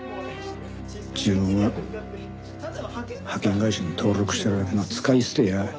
自分は派遣会社に登録してるだけの使い捨てや。